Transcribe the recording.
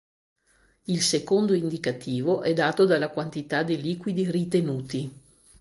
Il secondo indicativo è dato dalla quantità di liquidi ritenuti.